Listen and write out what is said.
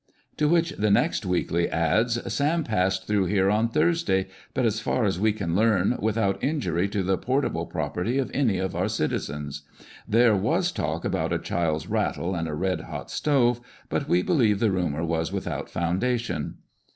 To which the next weekly adds, " Sam passed through here on Thursday, but as far as we can learn without injury to the portable property of any of our citizens. There was talk about a child's rattle and a red hot stove, but we believe the rumour was without foundation."